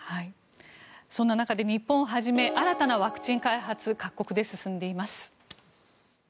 そんな中で日本をはじめ新たなワクチン開発各国で進んでいます。